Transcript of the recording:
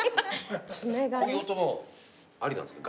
こういう音もありなんですか？